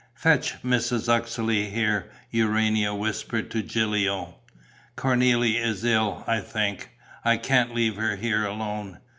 "Fetch Mrs. Uxeley here," Urania whispered to Gilio. "Cornélie is ill, I think. I can't leave her here alone.